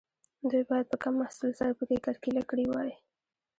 دوی باید په کم محصول سره پکې کرکیله کړې وای.